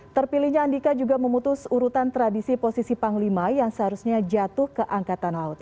terpilihnya andika juga memutus urutan tradisi posisi panglima yang seharusnya jatuh ke angkatan laut